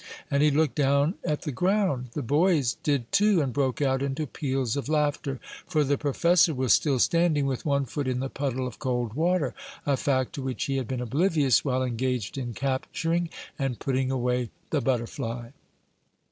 and he looked down at the ground. The boys did too, and broke out into peals of laughter. For the professor was still standing with one foot in the puddle of cold water, a fact to which he had been oblivious while engaged in capturing and putting away the butterfly.